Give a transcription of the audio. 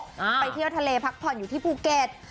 ไปเที่ยวทะเลพักผ่อนอยู่ที่ภูเก็ต